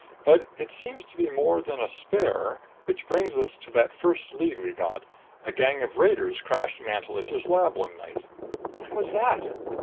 But it seems to be more than a spare which brings us to that first lead we got. A gang of raiders crashed Mantelish's lab one night." "When was that?"